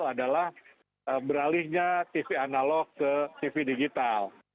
adalah beralihnya tv analog ke tv digital